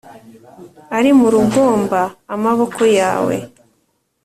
Ari mu rugomba amaboko yawe!